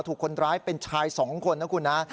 ถูกคนร้ายเป็นชาย๒คนนะคุณนะ